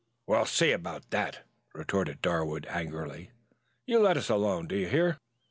"We'll see about that," retorted Darwood angrily. "You let us alone! Do you hear?